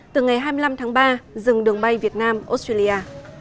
từ ngày hai mươi năm tháng ba dừng đường bay việt nam australia